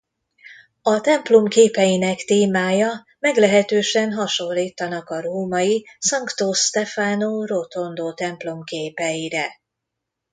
A templom képeinek témája meglehetősen hasonlítanak a római Sancto Stefano Rotondo templom képeire.